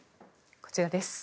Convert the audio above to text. こちらです。